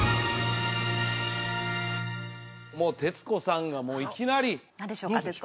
徹子さんがもういきなり何でしょうか？